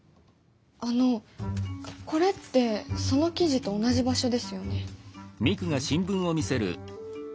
あのこれってその記事と同じ場所ですよね？